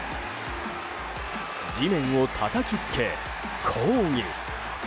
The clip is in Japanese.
地面をたたきつけ、抗議。